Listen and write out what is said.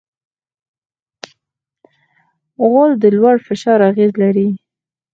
غول د لوړ فشار اغېز لري.